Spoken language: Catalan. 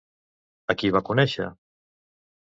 A qui va conèixer?